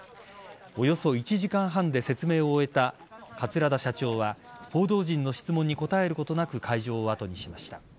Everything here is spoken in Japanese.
およそ１時間半で説明を終えた桂田社長は報道陣の質問に答えることなく会場を後にしました。